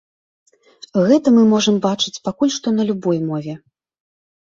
Гэта мы можам бачыць пакуль што на любой мове.